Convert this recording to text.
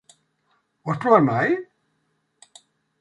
Ho has provat mai?